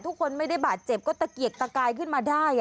ไม่ได้บาดเจ็บก็ตะเกียกตะกายขึ้นมาได้